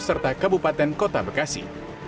serta kabupaten kota bekasi